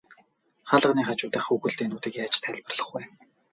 Хаалганы хажуу дахь хүүхэлдэйнүүдийг яаж тайлбарлах вэ?